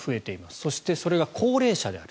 そして、それが高齢者である。